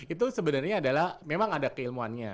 itu sebenarnya adalah memang ada keilmuannya